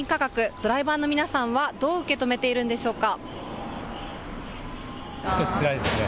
ドライバーの皆さんはどう受け止めているんでしょうか。